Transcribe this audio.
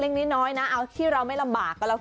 อย่างแรกเลยก็คือการทำบุญเกี่ยวกับเรื่องของพวกการเงินโชคลาภ